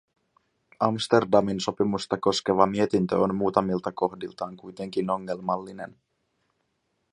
Amsterdamin sopimusta koskeva mietintö on muutamilta kohdiltaan kuitenkin ongelmallinen.